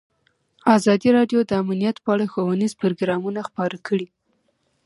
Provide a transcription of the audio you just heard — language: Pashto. ازادي راډیو د امنیت په اړه ښوونیز پروګرامونه خپاره کړي.